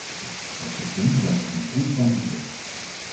Het station werkt onder constante druk.